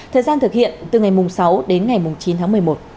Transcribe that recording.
thời gian thực hiện từ ngày sáu đến ngày chín tháng một mươi một